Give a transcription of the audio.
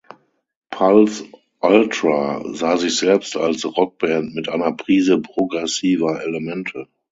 Pulse Ultra sah sich selbst als „Rockband mit einer Prise progressiver Elemente“.